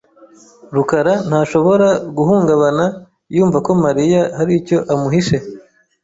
rukara ntashobora guhungabana yumva ko Mariya hari icyo amuhishe .